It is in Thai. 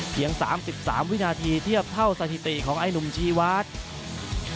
๓๓วินาทีเทียบเท่าสถิติของไอ้หนุ่มชีวาส